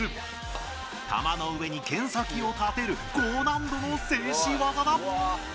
玉の上にけん先を立てる高難度の静止技だ。